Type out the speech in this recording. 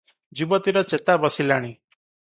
ଯୁବତୀର ଚେତା ବସିଲାଣି ।